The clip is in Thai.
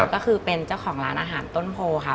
ก็คือเป็นเจ้าของร้านอาหารต้นโพค่ะ